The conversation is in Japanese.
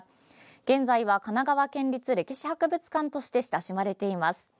現在は神奈川県立歴史博物館として親しまれています。